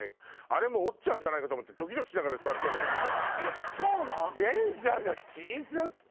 折っちゃうんじゃないかと思ってドキドキしながら座ってるけどさ。